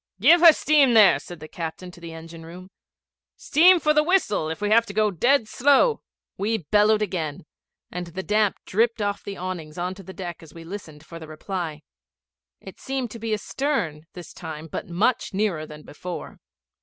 'Give her steam there!' said the captain to the engine room. 'Steam for the whistle, if we have to go dead slow.' We bellowed again, and the damp dripped off the awnings on to the deck as we listened for the reply. It seemed to be astern this time, but much nearer than before.